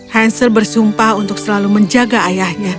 hancer bersumpah untuk selalu menjaga ayahnya